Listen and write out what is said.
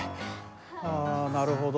あなるほど。